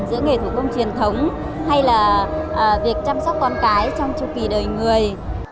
giữa nghệ thuật công truyền thống hay là việc chăm sóc con cái trong châu kỳ đời người